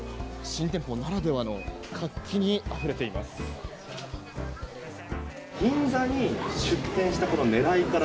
新店舗ならではの活気にあふれています。